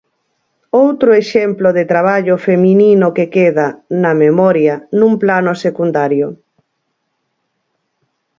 Outro exemplo de traballo feminino que queda, na memoria, nun plano secundario.